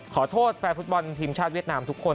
ขอโทษแฟนฟุตบอลทีมชาติเวียดนามทุกคน